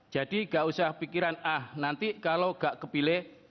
jadi gak usah pikiran ah nanti kalau gak kepilih